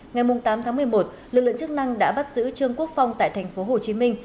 ngày tám tháng một mươi một lực lượng chức năng đã bắt giữ trương quốc phong tại thành phố hồ chí minh